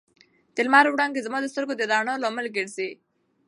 د لمر وړانګې زما د سترګو د رڼا لامل ګرځي.